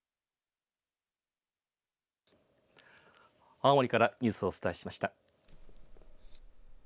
青森からニュースをお伝えしました。